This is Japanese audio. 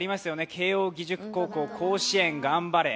「慶応義塾高校甲子園がんばれ！」